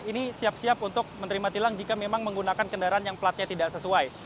ini siap siap untuk menerima tilang jika memang menggunakan kendaraan yang platnya tidak sesuai